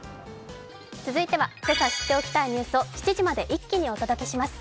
続いては、今朝知っておきたいニュースを７時までまとめてお届けします。